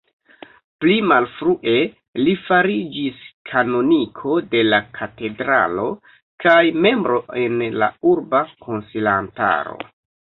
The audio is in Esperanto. Pli malfrue li fariĝis kanoniko de la katedralo, kaj membro en la Urba Konsilantaro.